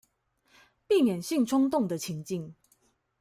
避免性衝動的情境